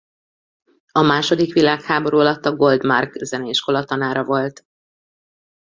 A második világháború alatt a Goldmark Zeneiskola tanára volt.